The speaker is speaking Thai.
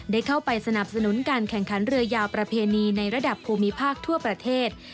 ได้เข้าไปสนับสนุนการแข่งขันเรือยาวประเพณีในระดับภูมิภาคทั่วประเทศ